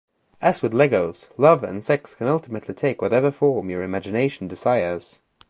As with Legos, love and sex can ultimately take whatever form your imagination desires.